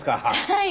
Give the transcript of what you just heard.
はい。